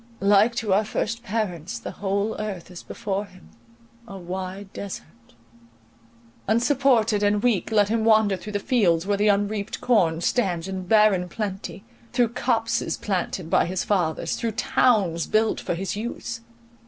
Like to our first parents, the whole earth is before him, a wide desart. Unsupported and weak, let him wander through fields where the unreaped corn stands in barren plenty, through copses planted by his fathers, through towns built for his use.